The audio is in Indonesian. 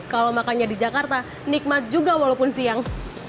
kalau makannya di jakarta nikmat juga walaupun siang